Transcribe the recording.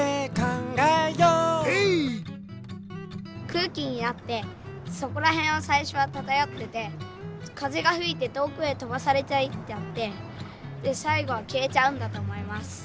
くうきになってそこらへんをさいしょはただよっててかぜがふいてとおくへとばされていっちゃってさいごはきえちゃうんだとおもいます。